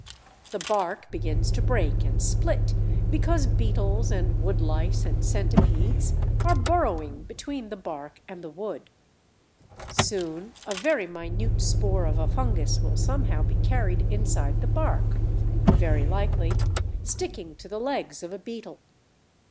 The bark begins to break and split because beetles and woodlice and centipedes are burrowing between the bark and the wood. Soon a very minute spore of a fungus will somehow be carried inside the bark, very likely sticking to the legs of a beetle.